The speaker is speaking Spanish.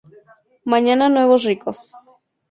Mañana Nuevos Ricos!